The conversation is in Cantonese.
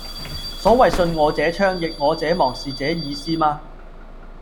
所謂順我者昌、逆我者亡是這意思嗎？